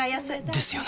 ですよね